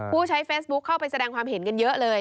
ผู้ใช้เฟซบุ๊คเข้าไปแสดงความเห็นกันเยอะเลย